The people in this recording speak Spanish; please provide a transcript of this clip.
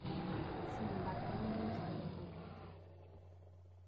Sin embargo, un día estalla el conflicto.